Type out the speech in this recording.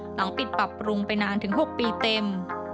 หลังปิดปรับปรุงไปนานถึง๖ปีเต็ม